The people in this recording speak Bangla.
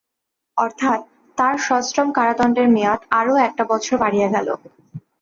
অর্থাৎ, তার সশ্রম কারাদণ্ডের মেয়াদ আরো একটা বছর বাড়িয়া গেল।